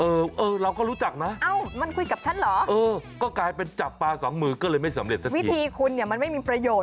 เออเราก็รู้จักนะ